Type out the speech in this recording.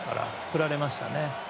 振られましたね。